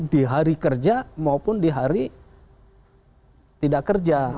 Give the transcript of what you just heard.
di hari kerja maupun di hari tidak kerja